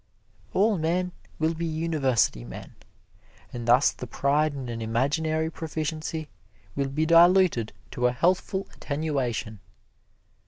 All men will be university men, and thus the pride in an imaginary proficiency will be diluted to a healthful attenuation.